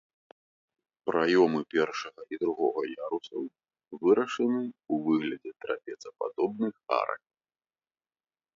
Праёмы першага і другога ярусаў вырашаны ў выглядзе трапецападобных арак.